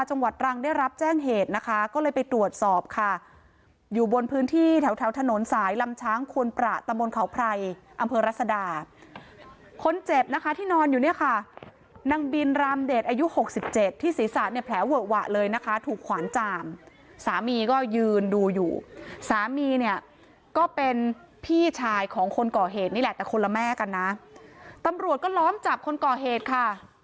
คนเจ็บนะคะที่นอนอยู่เนี่ยค่ะนางบินรามเดชน์อายุ๖๗ที่ศีรษะเนี่ยแผลเวอะหวะเลยนะคะถูกขวานจ่ามสามีก็ยืนดูอยู่สามีเนี่ยก็เป็นพี่ชายของคนก่อเหตุนี่แหละแต่คนละแม่กันนะตำรวจก็ล้อมจับคนก่อเหตุค่ะ